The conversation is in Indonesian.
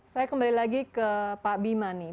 saya kembali lagi ke pak bima nih